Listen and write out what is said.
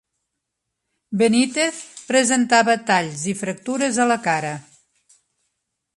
Benítez presentava talls i fractures a la cara.